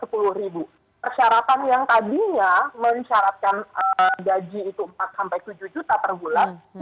persyaratan yang tadinya mensyaratkan gaji itu empat sampai tujuh juta per bulan